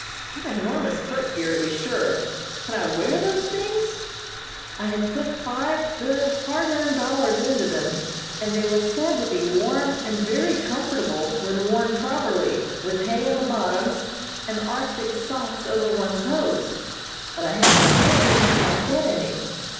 What enormous footgear, to be sure. Could I wear those things? I had put five good, hard earned dollars into them, and they were said to be warm and very comfortable when worn properly, with hay in the bottoms, and Arctic socks over one's hose, but I had no hay and could not get any.